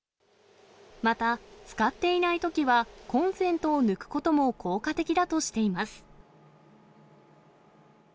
また、使っていないときは、コンセントを抜くことも効果的だとしています。